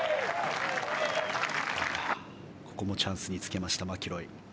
ここもチャンスにつけましたマキロイ。